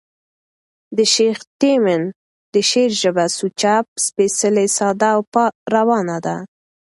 د شېخ تیمن د شعر ژبه سوچه، سپېڅلې، ساده او روانه ده.